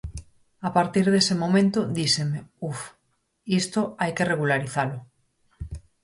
A partir dese momento díxenme, uf, isto hai que regularizalo.